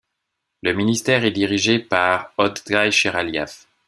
Le ministère est dirigé par Ogtay Chiraliyev .